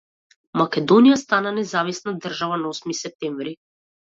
Македонија стана независна држава на Осми септември.